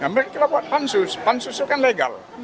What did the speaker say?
mereka buat pansus pansus itu kan legal